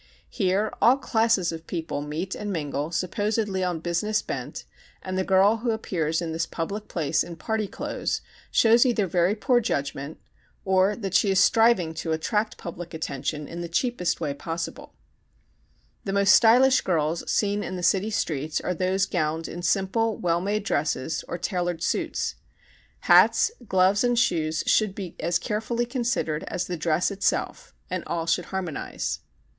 Here all classes of people meet and mingle, supposedly on business bent, and the girl who appears in this public place in party clothes shows either very poor judgment or that she is striving to attract public attention in the cheapest possible way. The most stylish girls seen in the city streets are those gowned in simple well made dresses or tailored suits. Hats, gloves, and shoes should be as carefully considered as the dress itself and all should harmonize.